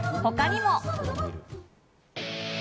他にも。